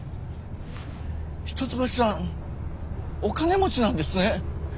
一橋さんお金持ちなんですね。